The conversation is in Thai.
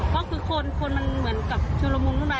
เพราะคือคนมันเหมือนกับชุมรมุมนุ่นมา